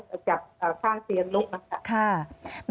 อันดับที่สุดท้าย